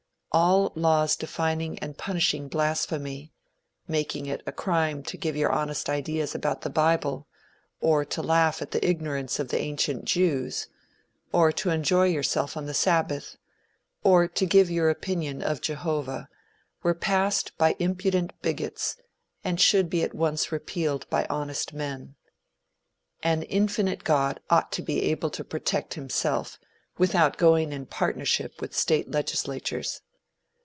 All laws defining and punishing blasphemy making it a crime to give your honest ideas about the bible, or to laugh at the ignorance of the ancient Jews, or to enjoy yourself on the Sabbath, or to give your opinion of Jehovah, were passed by impudent bigots, and should be at once repealed by honest men. An infinite God ought to be able to protect himself, without going in partnership with state legislatures.